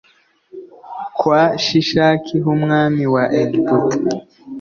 kwa shishaki h umwami wa egiputa